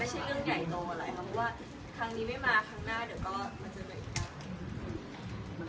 เพราะว่าครั้งนี้ไม่มาครั้งหน้าเดี๋ยวก็มันจะมาอีกครั้ง